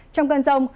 trong cơn rông